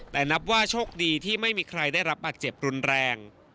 แต่นับว่าโชคดีที่ไม่มีใครได้รับบาดเจ็บรุนแรง